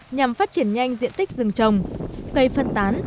nhằm phát triển nhanh diện tích rừng trồng cây phân tán